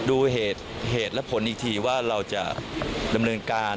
ดูเหตุและผลอีกทีว่าเราจะเริ่มเรื่องการ